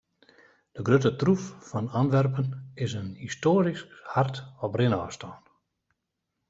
De grutte troef fan Antwerpen is in histoarysk hart op rinôfstân.